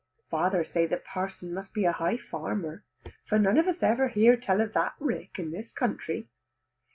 Father say the parson must be a high farmer, for none of us ever hear tell of that rick in this country.